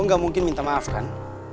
kok gak mungkin minta maaf kan